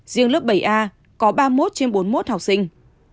riêng lớp bảy a có ba mươi một trên bốn mươi một học sinh